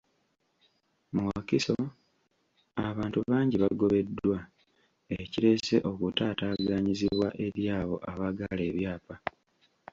Mu Wakiso abantu bangi bagobeddwa, ekireese okutaataaganyizibwa eri abo abaagala ebyapa.